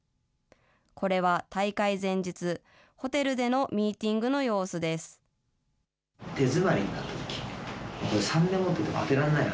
これは大会前日、ホテルでのミーティングの様子です。